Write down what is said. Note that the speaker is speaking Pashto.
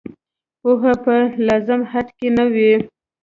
پوهه په لازم حد کې نه وي.